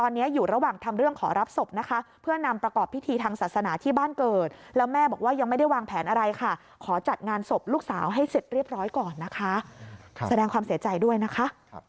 ให้เสร็จเรียบร้อยก่อนนะคะแสดงความเสียใจด้วยนะคะ